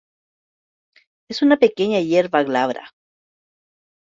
Es una pequeña hierba glabra.